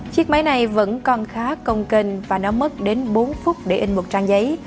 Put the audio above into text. chiếc máy này vẫn còn khá công kênh và nó mất đến bốn phút để in một trang giấy